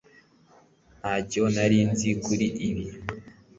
Ntacyo nari nzi kuri ibi